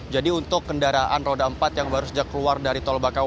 jadi untuk kendaraan roda empat yang baru saja keluar dari tol bakar